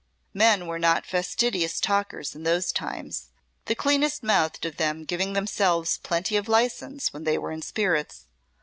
Men were not fastidious talkers in those times; the cleanest mouthed of them giving themselves plenty of license when they were in spirits.